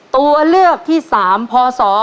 ตัวเลือกที่๓พอสอ๒๕๓๒